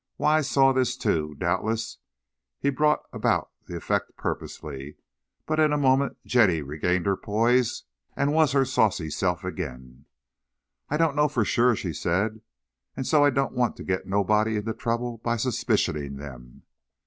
Wise saw this too, doubtless he brought about the effect purposely, but in a moment Jenny regained her poise and was her saucy self again. "I don't know for sure," she said, "and so I don't want to get nobody into trouble by suspicioning them."